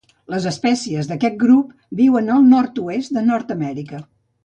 Les espècies d'aquest grup viuen al nord-oest de Nord-amèrica.